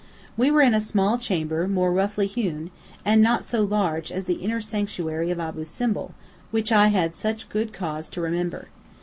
We were in a small chamber more roughly hewn, and not so large as the inner sanctuary of Abu Simbel, which I had such good cause to remember.